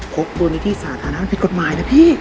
พกตัวในที่สาธารณะมันผิดกฎหมายนะพี่